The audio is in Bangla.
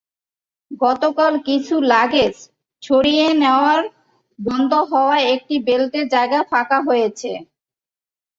গতকাল কিছু লাগেজ সরিয়ে নেওয়ায় বন্ধ হওয়া একটি বেল্টের জায়গা ফাঁকা হয়েছে।